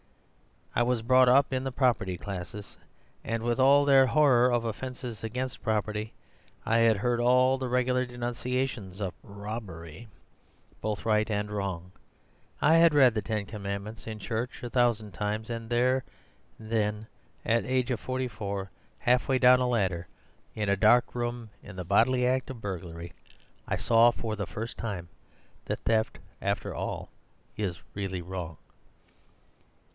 "I was brought up in the propertied classes, and with all their horror of offences against property. I had heard all the regular denunciations of robbery, both right and wrong; I had read the Ten Commandments in church a thousand times. And then and there, at the age of thirty four, half way down a ladder in a dark room in the bodily act of burglar, I saw suddenly for the first time that theft, after all, is really wrong.